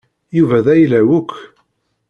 Yuba d ayla-w akk.